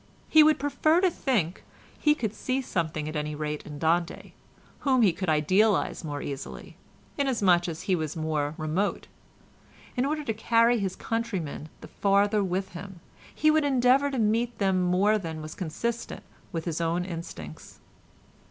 He would prefer to think he could see something at any rate in Dante, whom he could idealise more easily, inasmuch as he was more remote; in order to carry his countrymen the farther with him, he would endeavour to meet them more than was consistent with his own instincts.